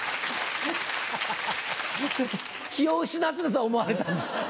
気を失ってたと思われたんです。